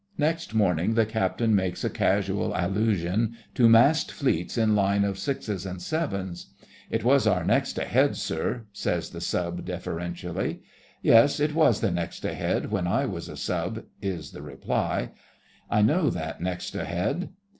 Next morning the Captain makes a casual allusion to 'massed fleets in line of sixes and sevens.' 'It was our next ahead, sir,' says the Sub deferentially. 'Yes, it was the next ahead when I was a Sub,' is the reply. 'I know that next ahead.